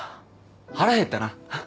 腹減ったな。